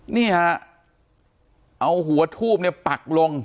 นี่ฮะเอาหัวทูบเนี่ยปักลง